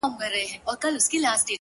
خو دې به سمعې څو دانې بلــــي كړې;